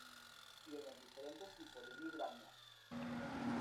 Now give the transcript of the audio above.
Y en los diferentes tipos de migrañas.